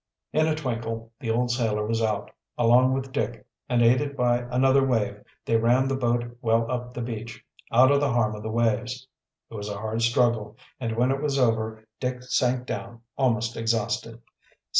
In a twinkle the old sailor was out, along with Dick, and, aided by another wave, they ran the boat well up the beach, out of the harm of the waves. It was a hard struggle, and when it was over Dick sank down almost exhausted.